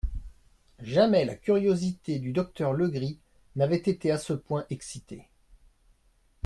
Jamais la curiosité du docteur Legris n'avait été à ce point excitée.